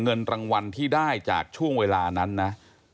เงินรางวัลที่ได้จากช่วงเวลานั้นนะ